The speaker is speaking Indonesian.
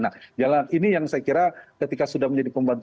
nah jalan ini yang saya kira ketika sudah menjadi pembantu